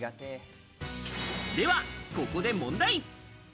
では、ここで問題。